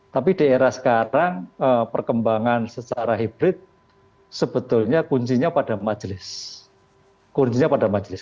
tapi di era sekarang perkembangan secara hibrid sebetulnya kuncinya pada majelis